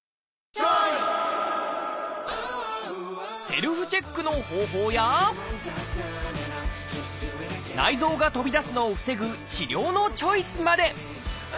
セルフチェックの方法や内臓が飛び出すのを防ぐ治療のチョイスまで。